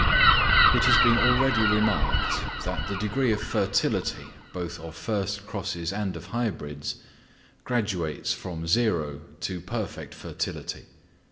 It has been already remarked, that the degree of fertility, both of first crosses and of hybrids, graduates from zero to perfect fertility.